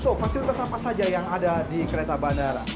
so fasilitas apa saja yang ada di kereta bandara